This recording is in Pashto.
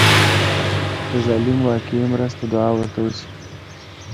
د ظالم واقعي مرسته دعا ورته وشي.